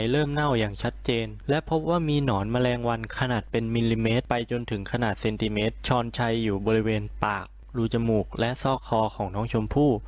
เน่าอย่างชัดเจนและพบว่ามีหนอนแมลงวันขนาดเป็นมิลลิเมตรไปจนถึงขนาดเซนติเมตรช้อนชัยอยู่บริเวณปากรูจมูกและซอกคอของน้องชมพู่